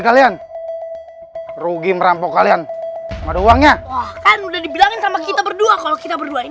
hai rugi merampok kalian enggak ada uangnya w mode barangnya berdua kalau kita berdua or